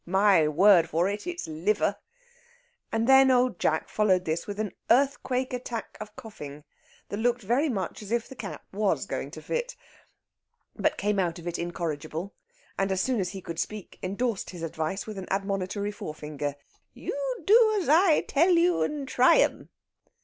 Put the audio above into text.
My word for it, it's liver!..." And then old Jack followed this with an earthquake attack of coughing that looked very much as if the cap was going to fit. But came out of it incorrigible, and as soon as he could speak endorsed his advice with an admonitory forefinger: "You do as I tell you, and try 'em."